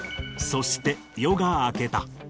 そして夜が明けた。